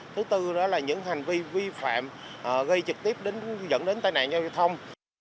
thứ tư đó là những hành vi vi phạm gây trực tiếp dẫn đến tai nạn giao thông